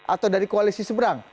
atau dari koalisi seberang